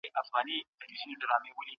د پوهنځي کتابونه خورا معلوماتي او ګټور دي.